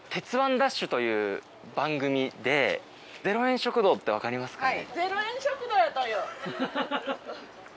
ＤＡＳＨ‼』という番組で０円食堂って分かりますかね？